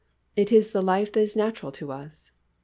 It is the life that is natural to us.